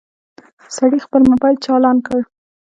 سړي خپل موبايل چالان کړ.